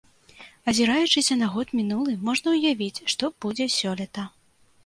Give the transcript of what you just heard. Азіраючыся на год мінулы, можна ўявіць, што будзе сёлета.